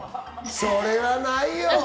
それはないよ。